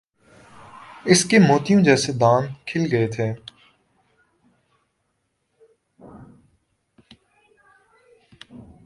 اس کے موتیوں جیسے دانت کھل گئے تھے۔